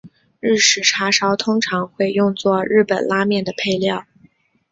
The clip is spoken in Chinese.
日式叉烧通常会用作日本拉面的配料。